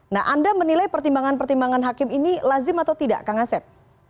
nah anda menilai pertimbangan pertimbangan hakim ini lazim atau tidak kang asep